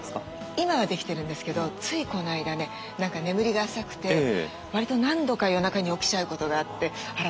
今はできてるんですけどついこの間ね何か眠りが浅くて割と何度か夜中に起きちゃうことがあってあら